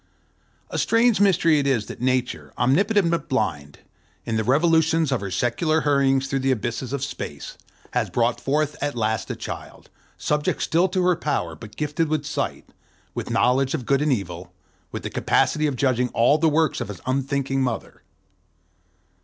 A strange mystery it is that Nature, omnipotent but blind, in the revolutions of her secular hurryings through the abysses of space, has brought forth at last a child, subject still to her power, but gifted with sight, with knowledge of good and evil, with the capacity of judging all the works of his unthinking Mother.